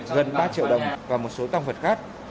gần ba triệu đồng và một số tăng vật khác